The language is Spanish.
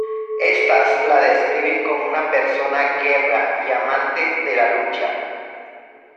Estas la describen como una persona guerra y amante de la lucha.